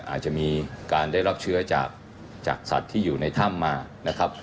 อาจจะมีการได้รับเชื้อจากสัตว์ที่อยู่ในถ้ำมานะครับ